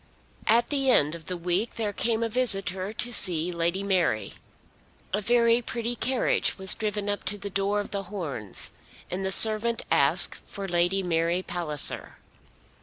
At the end of the week there came a visitor to see Lady Mary. A very pretty carriage was driven up to the door of The Horns, and the servant asked for Lady Mary Palliser.